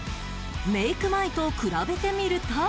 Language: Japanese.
メイク前と比べてみると